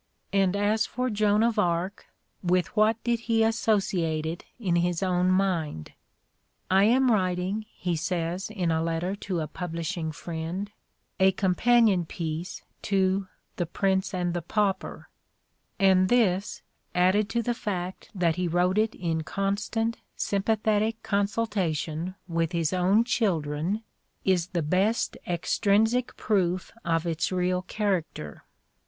And as for "Joan of Arc," with what did he associate it in his own mind? "I am writing," he says in a letter to a publishing friend, "a companion piece to 'The Prince and the Pauper,' " and this, added to the fact that he wrote it in constant, sjonpathetic consultation with his own children, is the best extrinsic proof of its real character.